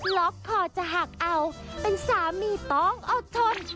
ล็อกคอจะหักเอาเป็นสามีต้องอดทน